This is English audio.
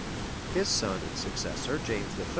His son and successor, James III.